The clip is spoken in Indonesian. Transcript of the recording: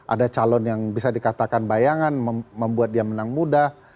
ada calon yang bisa dikatakan bayangan membuat dia menang mudah